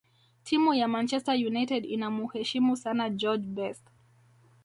timu ya manchester united inamuheshimu sana george best